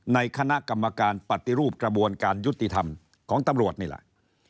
ในคณะกรรมการปฏิรูปกระบวนการยุติธรรมของตำรวจนี่แหละ